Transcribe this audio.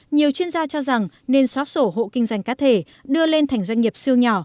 nhiều chuyên gia cho rằng nên xóa sổ hộ kinh doanh cá thể đưa lên thành doanh nghiệp siêu nhỏ